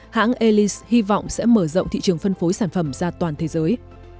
hãng alis hy vọng sẽ mở rộng thị trường phân phối sản phẩm ra toàn thế giới